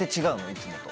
いつもと。